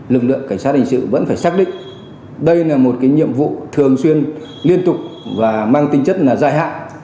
lực lượng cảnh sát hình sự vẫn phải xác định đây là một nhiệm vụ thường xuyên liên tục và mang tinh chất là dài hạn